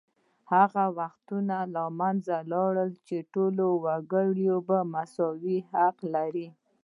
هغه وختونه له منځه لاړل چې ټول وګړي مساوي حقوق لري